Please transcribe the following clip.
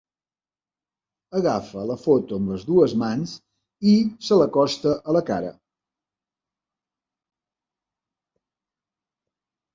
Agafa la foto amb les dues mans i se l'acosta a la cara.